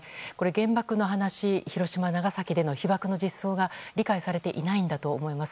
原爆の話広島、長崎での被爆の実相が理解されていないんだと思います。